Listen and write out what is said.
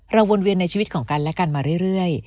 วนเวียนในชีวิตของกันและกันมาเรื่อย